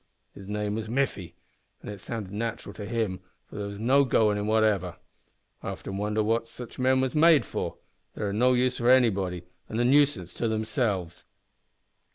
His name was Miffy, an' it sounded nat'ral to him, for there was no go in him whatever. I often wonder what sitch men was made for. They're o' no use to anybody, an' a nuisance to themselves."